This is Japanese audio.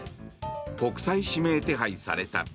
国際指名手配された。